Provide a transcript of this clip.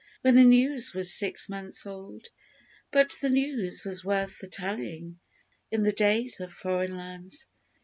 When the news was six months old But the news was worth the telling in the days of Foreign Lands.